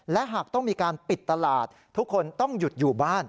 และหากต้องมีการปิดตลาดทุกคนต้องหยุดอยู่บ้าน